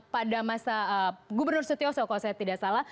pada masa gubernur sutyoso kalau saya tidak salah